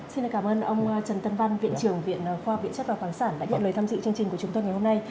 xin cảm ơn ông trần tân văn viện trưởng viện khoa học viện chất và khoáng sản đã nhận lời tham dự chương trình của chúng tôi ngày hôm nay